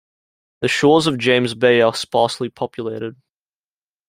The shores of James Bay are sparsely populated.